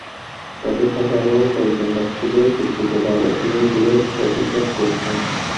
তাঁদের পাশে আরও কয়েকজন গাছ থেকে টুকটুকে লাল স্ট্রবেরি তুলে প্যাকেটজাত করছেন।